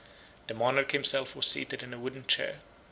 The monarch himself was seated in a wooden chair.